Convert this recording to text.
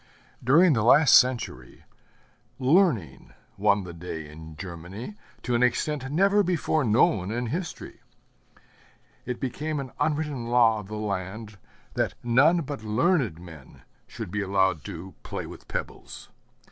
During the last century, Learning won the day in Germany to an extent never before known in history. It became an unwritten law of the land that none but learned men should be allowed to play with pebbles.